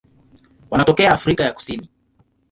Wanatokea Afrika ya Kusini.